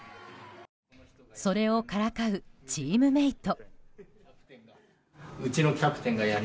それをからかうチームメート。